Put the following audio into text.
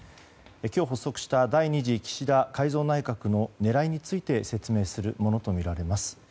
今日、発足した第２次岸田改造内閣の狙いについて説明するものとみられます。